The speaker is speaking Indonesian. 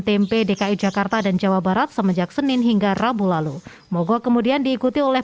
tempe dki jakarta dan jawa barat semenjak senin hingga rabu lalu mogok kemudian diikuti oleh